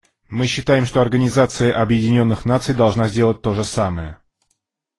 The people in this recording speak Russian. Мы считаем, что Организация Объединенных Наций должна сделать то же самое.